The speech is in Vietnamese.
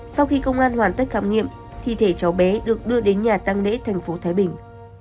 sau khi công an hoàn tất khám nghiệm thi thể cháu bé được đưa đến nhà tăng lễ thành phố thái bình